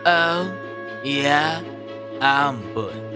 oh ya ampun